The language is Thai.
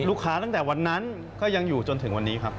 ตั้งแต่วันนั้นก็ยังอยู่จนถึงวันนี้ครับ